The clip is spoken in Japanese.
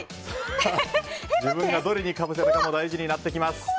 自分がどれにかぶせたかも大事なってきます。